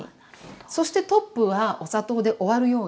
そしてトップはお砂糖で終わるように。